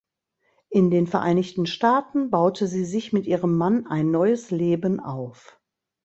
In den Vereinigten Staaten baute sie sich mit ihrem Mann ein neues Leben auf.